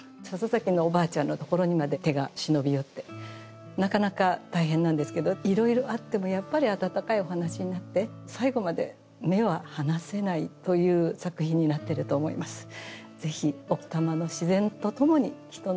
笹崎のおばあちゃんのところにまで手が忍び寄ってなかなか大変なんですけどいろいろあってもやっぱりあたたかいお話になって最後まで目は離せないという作品になってると思います。